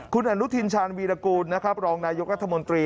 คุณอนุทินชาญวีรกูลนะครับรองนายกรัฐมนตรี